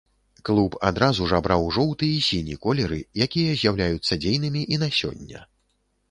Клуб адразу ж абраў жоўты і сіні колеры, якія з'яўляюцца дзейнымі і на сёння.